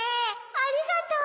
ありがとう。